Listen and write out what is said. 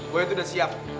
gue itu udah siap